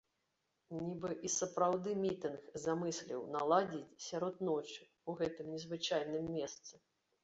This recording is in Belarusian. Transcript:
Нібы і сапраўды мітынг замысліў наладзіць сярод ночы ў гэтым незвычайным месцы.